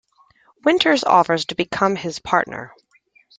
Winters offers to become his partner.